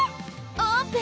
オープン！